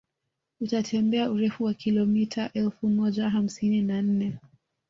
Utatembea urefu wa kilomita elfu moja hamsini na nne